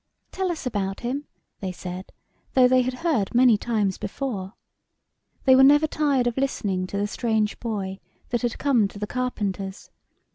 " Tell us about him," they said, though they had heard many times before. They were never tired of listening to the strange boy that had come to the carpenter's.